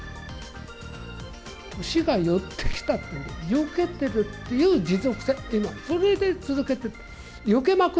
年が寄ってきたって、よけてるっていう持続性、それで続けてる。